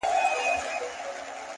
• اور او اوبه یې د تیارې او د رڼا لوري؛